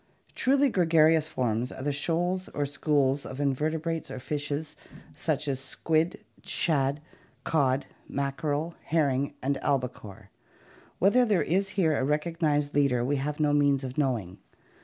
248 ANIMAL ASSOCIATIONS. COMMUNALISM 240 Truly gregarious forms are the shoals or schools of invertebrates or fishes such as the squid, shad, cod, mackerel, herring, and albi core. Whether there is here a recognized leader we have no means of knowing.